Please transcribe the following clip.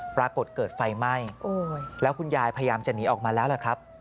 ปรากฏเกิดไฟไหม้แล้วคุณยายพยายามจะหนีออกมาแล้วล่ะครับ